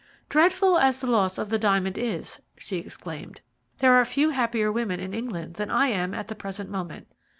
"Dreadful as the loss of the diamond is," she exclaimed, "there are few happier women in England than I am at the present moment.